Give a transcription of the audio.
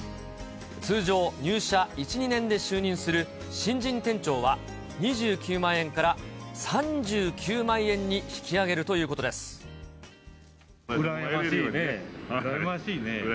通常、入社１、２年で就任する新人店長は２９万円から３９万円に引き上げるとい羨ましいね。